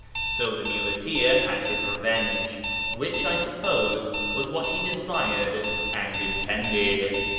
So the muleteer had his revenge, which, I suppose, was what he desired and intended.